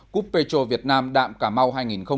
cúp petro việt nam đạm cà mau hai nghìn một mươi chín